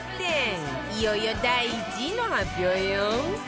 いよいよ第１位の発表よ